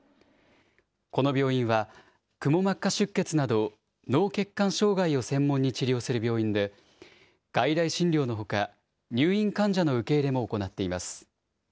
この病院は、くも膜下出血など脳血管障害を専門に治療する病院で、外来診療のほか、入院患者の受け入れも行っています。